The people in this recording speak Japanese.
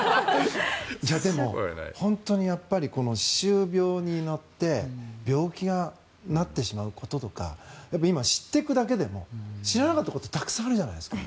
でも、本当にやっぱりこの歯周病によって病気になってしまうこととか今、知っていくだけでも知らなかったことたくさんあるじゃないですか。